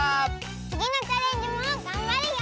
つぎのチャレンジもがんばるよ！